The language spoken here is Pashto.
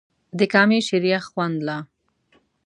د کامې شریخ خوند لا